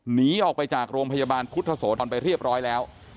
หนีออกไปจากโรงพยาบาลพุทธโสธรไปเรียบร้อยแล้ว